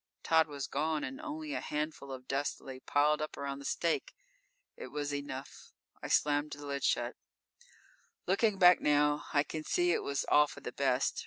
Tod was gone and only a handful of dust lay piled up around the stake. It was enough. I slammed the lid shut. Looking back now, I can see it was all for the best.